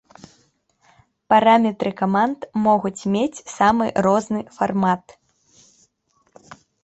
Параметры каманд могуць мець самы розны фармат.